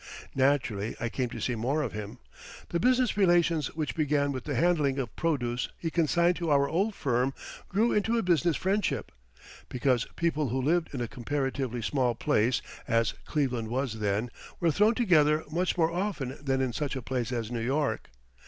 Naturally, I came to see more of him. The business relations which began with the handling of produce he consigned to our old firm grew into a business friendship, because people who lived in a comparatively small place, as Cleveland was then, were thrown together much more often than in such a place as New York.